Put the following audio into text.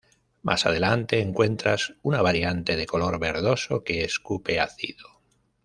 Más adelante encuentras una variante, de color verdoso, que escupe ácido.